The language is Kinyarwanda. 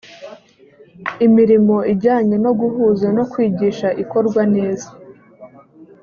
imirimo ijyanye no guhuza no kwigisha ikorwa neza